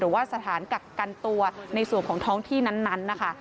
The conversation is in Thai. หรือว่าสถานกักกันตัวในส่วนของท้องที่นั้นนะคะ